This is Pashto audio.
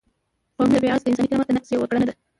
قومي تبعیض د انساني کرامت د نقض یوه کړنه ده.